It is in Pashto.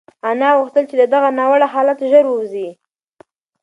انا غوښتل چې له دغه ناوړه حالته ژر ووځي.